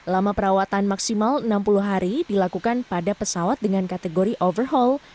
lama perawatan maksimal enam puluh hari dilakukan pada pesawat dengan kategori overhaul